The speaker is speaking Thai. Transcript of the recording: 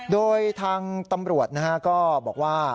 โดยทางตำรวจก็บอกว่า